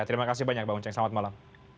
terima kasih banyak bang uceng selamat malam